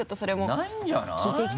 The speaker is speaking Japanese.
ないんじゃない？